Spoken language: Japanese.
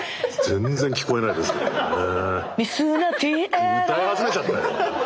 全然聞こえないですけどもね。